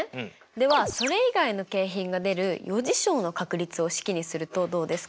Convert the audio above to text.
ではそれ以外の景品が出る余事象の確率を式にするとどうですか？